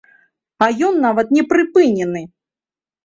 А ён нават не прыпынены!